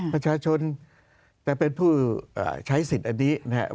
ประชาชนจะเป็นผู้ใช้สิทธิ์อันนี้นะครับ